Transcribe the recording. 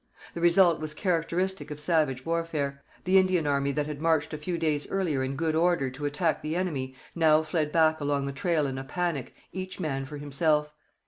The result was characteristic of savage warfare. The Indian army that had marched a few days earlier in good order to attack the enemy now fled back along the trail in a panic, each man for himself.